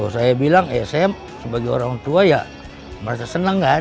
saya bilang ya saya sebagai orang tua ya merasa senang kan